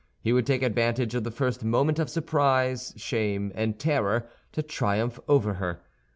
He would take advantage of the first moment of surprise, shame, and terror, to triumph over her.